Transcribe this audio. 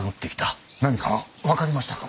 何か分かりましたか？